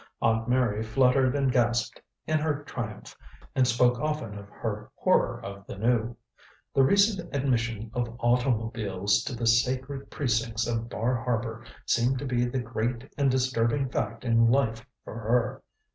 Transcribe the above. Aunt Mary fluttered and gasped in her triumph, and spoke often of her horror of the new. The recent admission of automobiles to the sacred precincts of Bar Harbor seemed to be the great and disturbing fact in life for her.